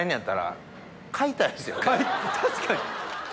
確かに。